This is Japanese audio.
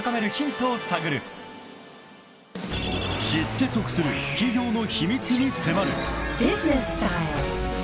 ［知って得する企業の秘密に迫る］